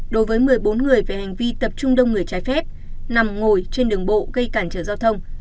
đối với một mươi bốn người về hành vi tập trung đông người trái phép nằm ngồi trên đường bộ gây cản trở giao thông